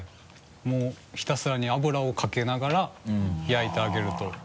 もうひたすらに油をかけながら焼いてあげると。